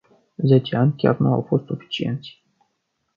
Zece ani chiar nu au fost suficienți”.